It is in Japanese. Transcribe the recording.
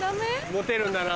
モテるんだな。